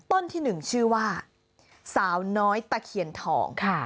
ต้นที่๑ชื่อว่าสาวน้อยตะเคียนทอง